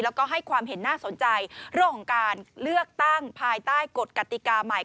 แล้วก็ให้ความเห็นน่าสนใจเรื่องของการเลือกตั้งภายใต้กฎกติกาใหม่